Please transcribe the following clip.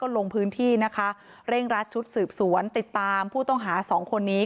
ลงพื้นที่นะคะเร่งรัดชุดสืบสวนติดตามผู้ต้องหาสองคนนี้